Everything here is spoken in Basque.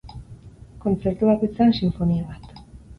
Kontzertu bakoitzean sinfonia bat.